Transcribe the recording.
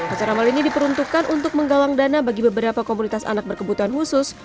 acara mal ini diperuntukkan untuk menggalang dana bagi beberapa komunitas anak berkebutuhan khusus